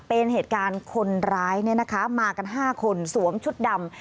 เป็นเหตุการณ์คนร้ายมากัน๕คนสวมชุดดำ